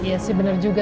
iya sih bener juga